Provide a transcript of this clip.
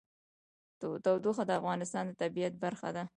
تودوخه د افغانستان د طبیعت برخه ده.